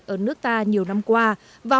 ở nước ta nhiều năm qua